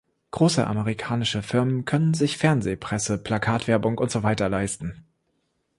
Große amerikanische Firmen können sich Fernseh-, Presse-, Plakatwerbung und so weiter leisten.